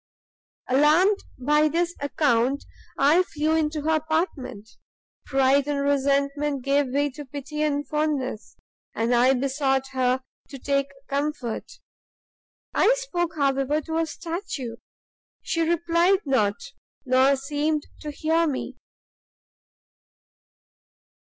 "Alarmed by this account, I flew into her apartment; pride and resentment gave way to pity and fondness, and I besought her to take comfort. I spoke, however, to a statue, she replied not, nor seemed to hear me.